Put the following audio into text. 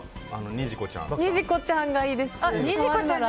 ニジコちゃんがいいです。